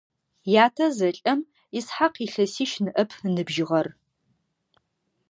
Ятэ зэлӀэм Исхьакъ илъэсищ ныӀэп ыныбжьыгъэр.